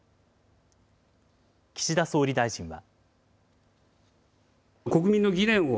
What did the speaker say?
岸田総理大臣は。